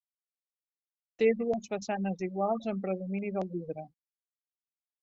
Té dues façanes iguals amb predomini del vidre.